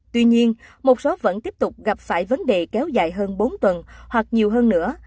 tuy nhiên một số vẫn tiếp tục gặp phải vấn đề kéo dài hơn bốn tuần hoặc nhiều hơn nữa